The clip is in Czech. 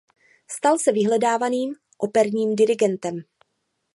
Stal se vyhledávaným operním dirigentem.